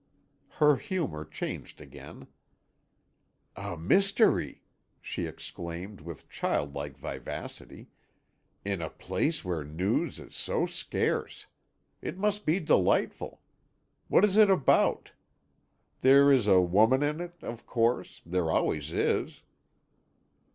Her humour changed again. "A mystery!" she exclaimed with child like vivacity, "in a place where news is so scarce! It must be delightful. What is it about? There is a woman in it, of course. There always is."